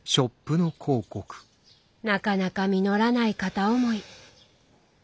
なかなか実らない片思い。